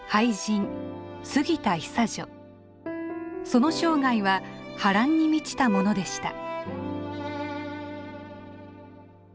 その生涯は波乱に満ちたものでした。